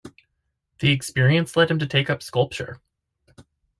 The experience led him to take up sculpture.